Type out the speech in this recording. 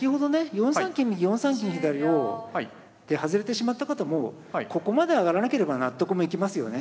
４三金右４三金左をで外れてしまった方もここまで上がらなければ納得もいきますよね。